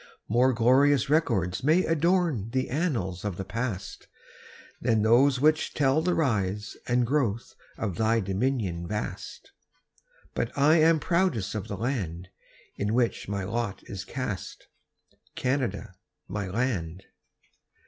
More glorious records may adorn The annals of the past Than those which tell the rise and growth Of thy dominion vast; But I am proudest of the land In which my lot is cast, Canada, my land.